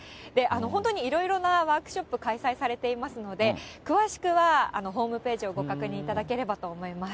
本当にいろいろなワークショップ、開催されていますので、詳しくはホームページをご確認いただければと思います。